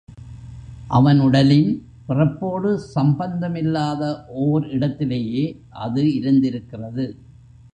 அவன் உடலின் பிறப்போடு சம்பந்தமில்லாத ஓர் இடத்திலேயே அது இருந்திருக்கிறது.